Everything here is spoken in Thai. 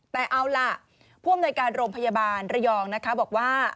แต่เอาล่ะผู้อำนวยการโรงพยาบาลระยองนะคะบอกว่า